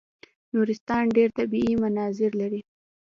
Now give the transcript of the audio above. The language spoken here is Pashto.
نورستان ډېر طبیعي مناظر لري.